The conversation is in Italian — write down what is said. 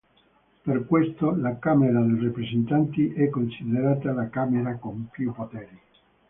Per questo, la Camera dei Rappresentanti, è considerata la camera con più poteri.